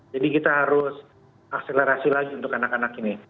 jadi kita harus akselerasi lagi untuk anak anak ini